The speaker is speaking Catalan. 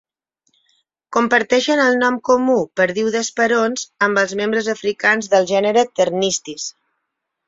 Comparteixen el nom comú "perdiu d'esperons" amb els membres africans del gènere Pternistis.